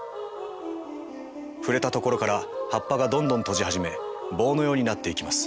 触れたところから葉っぱがどんどん閉じ始め棒のようになっていきます。